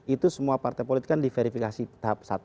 itu semua partai politik kan diverifikasi tahap satu